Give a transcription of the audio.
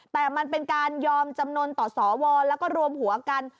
แต่มันเป็นการยอมจำนวนต่อสวแล้วก็รวมหัวกัน